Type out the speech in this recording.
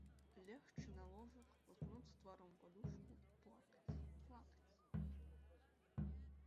Легчы на ложак, уткнуцца тварам у падушку і плакаць, плакаць.